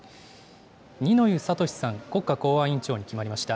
二之湯智さん、国家公安委員長に決まりました。